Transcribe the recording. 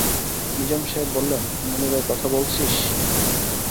নিজাম সাহেব বললেন, মুনিরের কথা বলছিস?